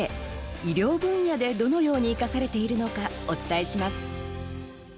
医療分野で、どのように生かされているのかお伝えします。